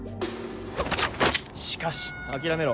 しかし諦めろ